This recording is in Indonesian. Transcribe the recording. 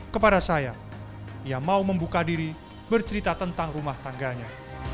kepada saya ia mau membuka diri bercerita tentang rumah tangganya